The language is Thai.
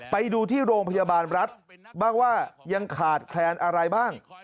ไปดูที่โรงพยาบาลรัฐบ้างว่ายังขาดแคลนอะไรบ้าง